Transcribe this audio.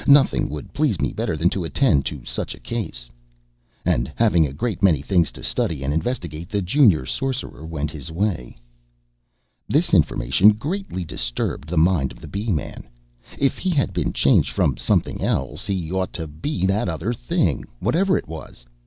Nothing would please me better than to attend to such a case." And, having a great many things to study and investigate, the Junior Sorcerer went his way. This information greatly disturbed the mind of the Bee man. If he had been changed from something else, he ought to be that other thing, whatever it was.